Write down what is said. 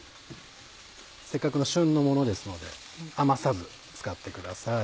せっかくの旬のものですので余さず使ってください。